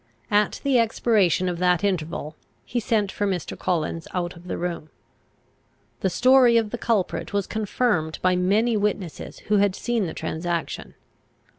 At the expiration of that interval, he sent for Mr. Collins out of the room. The story of the culprit was confirmed by many witnesses who had seen the transaction.